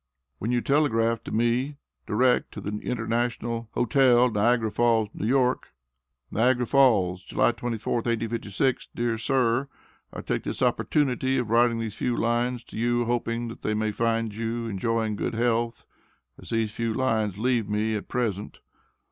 When you telegraph to me direct to the International Hotel, Niagara Falls, N.Y. NIAGARA FALLS, July 24th, 1856. DEAR SIR: I take this opportunity of writing these few lines to you hoping that they may find you enjoying good health as these few lines leave me at present.